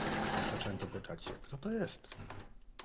"Zaczęto pytać się: kto to jest?"